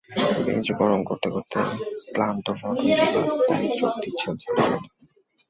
Bench গরম করতে করতে ক্লান্ত রডওয়েল এবার তাই যোগ দিয়েছেন সান্ডারল্যান্ডে।